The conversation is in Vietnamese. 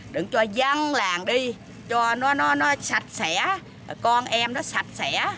đừng cho dân làng đi cho nó sạch sẽ con em nó sạch sẽ